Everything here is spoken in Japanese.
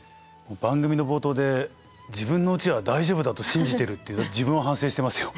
番組の冒頭で自分のうちは大丈夫だと信じているっていう自分を反省してますよ。